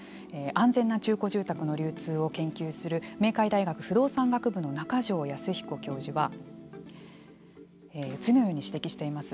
安全な中古住宅の流通を研究する明海大学不動産学部の中城康彦教授は次のように指摘しています。